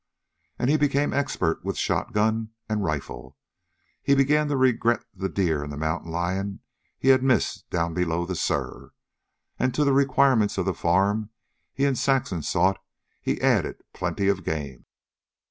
As he became expert with shotgun and rifle, he began to regret the deer and the mountain lion he had missed down below the Sur; and to the requirements of the farm he and Saxon sought he added plenty of game.